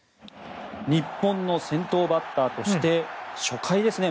日本の先頭バッターとして初回ですね。